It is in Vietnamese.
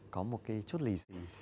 có một cái chút lì dị